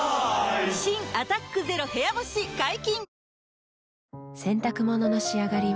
新「アタックＺＥＲＯ部屋干し」解禁‼